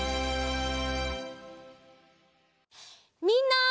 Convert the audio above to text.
みんな！